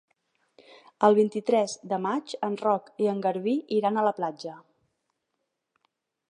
El vint-i-tres de maig en Roc i en Garbí iran a la platja.